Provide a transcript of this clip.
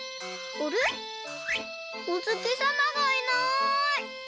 おつきさまがいない。